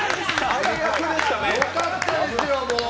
良かったですよ、もう。